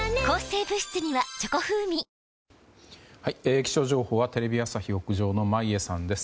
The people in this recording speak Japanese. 気象情報はテレビ朝日屋上の眞家さんです。